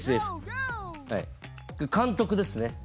監督ですね。